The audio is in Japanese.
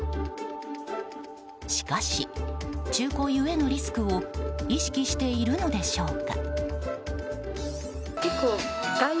しかし、中古ゆえのリスクを意識しているのでしょうか。